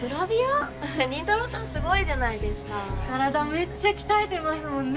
めっちゃ鍛えてますもんね。